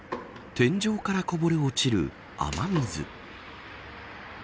天井からこぼれ落ちる雨水。